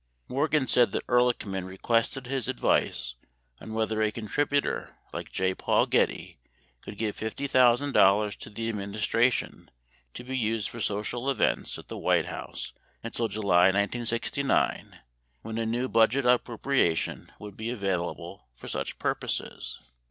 78 Morgan said that Ehrlic h m an requested his ad vice on whether a contributor like J. Paul Getty could give $50,000 to the administration to be used for social events at the White House until July 1969, when a new budget appropriation would be available for such purposes.